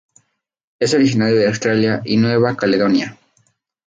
Es originario de Australia y Nueva Caledonia.